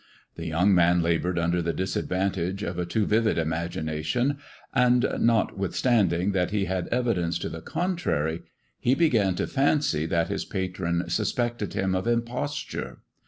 The young man laboured under the disadvantage of a too vivid imagination, and, notwithstanding that he had evi dence to the contrary, he began to fancy that his patron suspected him of imposture.